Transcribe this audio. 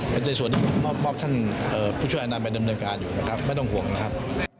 ในส่วนช่องได้เกี่ยวกับท่านผู้ช่วยอาณาไปดำเนินการอยู่ไม่ต้องห่วงนะครับ